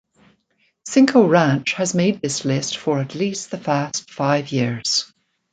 Cinco Ranch has made this list for at least the past five years.